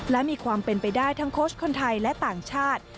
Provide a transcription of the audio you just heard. และมีความเป็นไปได้ทั้งโค้ชคนไทยและต่างชาติ